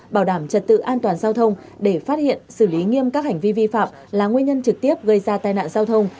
bảo đảm trật tự an toàn giao thông để phát hiện xử lý nghiêm các hành vi vi phạm là nguyên nhân trực tiếp gây ra tai nạn giao thông